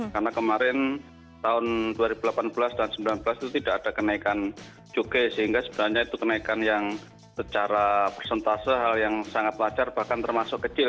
karena kemarin tahun dua ribu delapan belas dan dua ribu sembilan belas itu tidak ada kenaikan cukai sehingga sebenarnya itu kenaikan yang secara persentase hal yang sangat wajar bahkan termasuk kecil